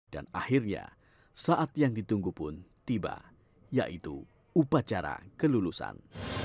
dan akhirnya saat yang ditunggu pun tiba yaitu upacara kelulusan